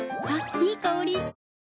いい香り。